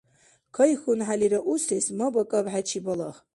КайхьунхӀелира усес, мабакӀаб хӀечи балагь.